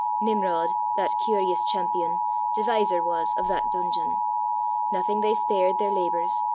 Nimrod, that curious champion, Deviser was of that dungeon. Nathing they spared their labors.